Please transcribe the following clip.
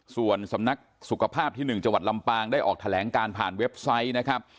ส่วนสำนักสุขภาพที่๑จังหวัดลำปางได้ออกแถลงการผ่านเว็บไซต์นะครับ